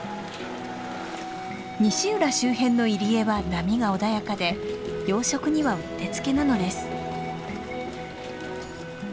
西浦周辺の入り江は波が穏やかで養殖にはうってつけなのです。